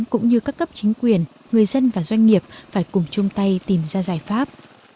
cũng như các cấp chính quyền người dân và doanh nghiệp phải cùng chung tay tìm ra giải pháp